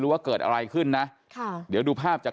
ว่าเกิดอะไรขึ้นนะค่ะเดี๋ยวดูภาพจาก